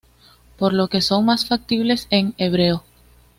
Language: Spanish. Por lo que son más factibles en hebreo.